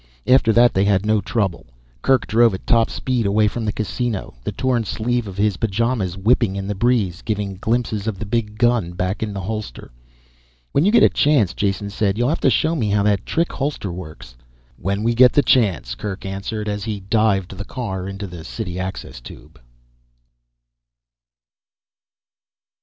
After that they had no trouble. Kerk drove at top speed away from the Casino, the torn sleeve of his pajamas whipping in the breeze, giving glimpses of the big gun back in the holster. "When you get the chance," Jason said, "you'll have to show me how that trick holster works." "When we get the chance," Kerk answered as he dived the car into the city access tube.